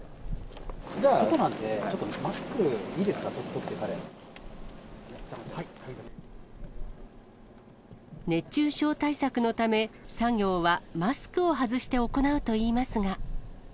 外なので、マスクいいですか、熱中症対策のため、作業はマスクを外して行うといいますが。